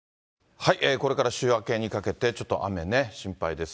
これから週明けにかけて、ちょっと雨ね、心配です。